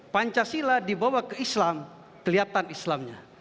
pancasila dibawa ke islam kelihatan islamnya